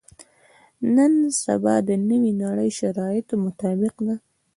نن سبا د نوې نړۍ شرایطو مطابق ده.